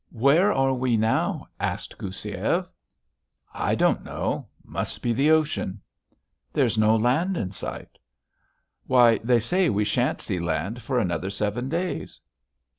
"Where are we now?" asked Goussiev. "I don't know. Must be the ocean." "There's no land in sight." "Why, they say we shan't see land for another seven days."